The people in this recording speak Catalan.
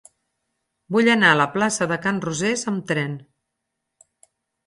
Vull anar a la plaça de Can Rosés amb tren.